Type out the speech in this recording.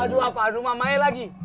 aduh apa aduh mamanya lagi